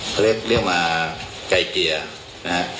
พระอำสวนธ์เรียกมาไก่เกียร์นะฮะ